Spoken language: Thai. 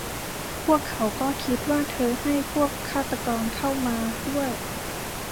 พวกเขาก็คิดว่าเธอให้พวกฆาตกรเข้ามาด้วย